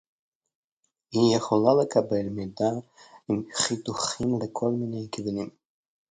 היא יכולה לקבל מידע עם חיתוכים לכל מיני כיוונים